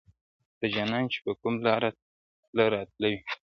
د جانان چي په کوم لاره تله راتله وي,